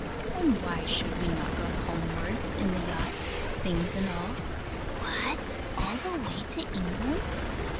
And why should we not go homewards in the yacht, things and all? What, all the way to England?